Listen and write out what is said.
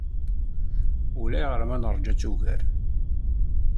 Ulayɣer ma neṛja-tt ugar.